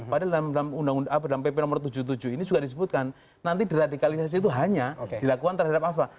padahal dalam pp no tujuh puluh tujuh ini juga disebutkan nanti deradikalisasi itu hanya dilakukan terhadap apa